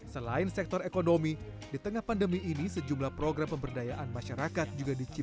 selain sektor ekonomi di tengah pandemi ini sejumlah program pemberdayaan masyarakat juga diperlukan